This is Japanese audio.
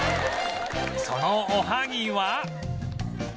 そのおはぎは